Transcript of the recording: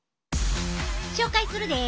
紹介するで！